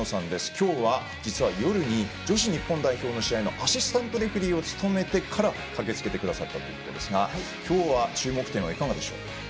今日は、実は、夜に女子日本代表の試合のアシスタントレフリーを務めてから駆けつけてくださったということですが今日は注目点はいかがでしょう？